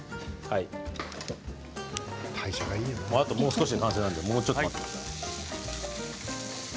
あと、もう少しで完成なのでもうちょっと待ってください。